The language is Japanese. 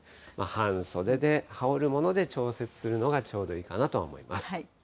半袖で羽織るもので調節するのがちょうどいいかなと思います。